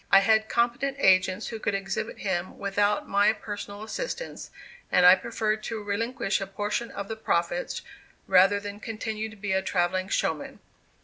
I had competent agents who could exhibit him without my personal assistance, and I preferred to relinquish a portion of the profits, rather than continue to be a travelling showman.